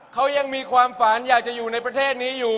เขายังมีความฝันอยากจะอยู่ในประเทศนี้อยู่